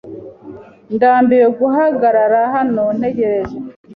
Ndambiwe guhagarara hano ntegereje.